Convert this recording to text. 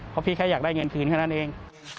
เพราะพี่แค่อยากได้เงินคืนแค่นั้นเอง